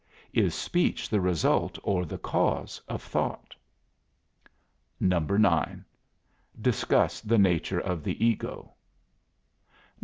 Is speech the result or the cause of thought? 9. Discuss the nature of the ego. 10.